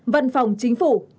bốn văn phòng chính phủ